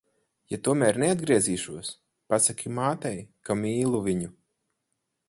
Ja tomēr neatgriezīšos, pasaki mātei, ka mīlu viņu.